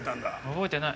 覚えてない。